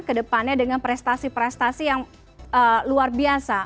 kedepannya dengan prestasi prestasi yang luar biasa